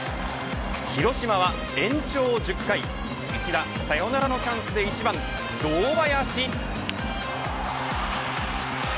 広島は延長１０回一打サヨナラのチャンスで１番、堂林。